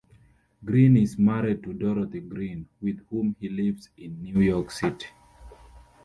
Green is married to Dorothy Green, with whom he lives in New York City.